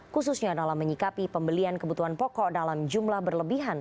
khususnya dalam menyikapi pembelian kebutuhan pokok dalam jumlah berlebihan